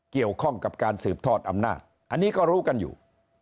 เกี่ยวข้องกับการสืบทอดอำนาจอันนี้ก็รู้กันอยู่